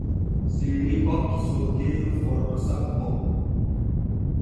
Seeni hokki soogeeru forto sappo.